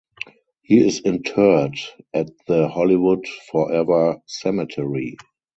He is interred at the Hollywood Forever Cemetery.